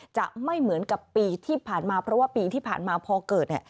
จะไม่เหมือนกับปีที่ผ่านมาเพราะว่าปีที่ผ่านมาพอเกิดเนี่ย